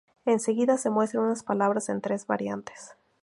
En seguida se muestran unas palabras en tres variantes.